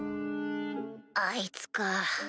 あいつか。